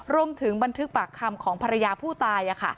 รวมถึงบันทึกปากคำของภรรยาผู้ตาย